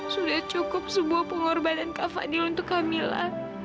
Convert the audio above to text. sudah cukup sebuah pengorbanan kak fadil untuk kamila